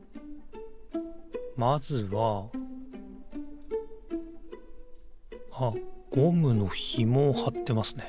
まずはあっゴムのひもをはってますね。